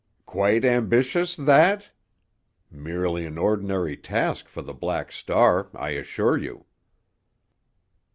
Quite ambitious—that? Merely an ordinary task for the Black Star, I assure you."